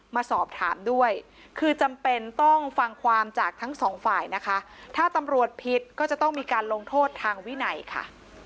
มาสอบถามด้วยคือจำเป็นต้องฟังความจากทั้งสองฝ่ายนะคะถ้าตำรวจผิดก็จะต้องมีการลงโทษทางวินัยค่ะ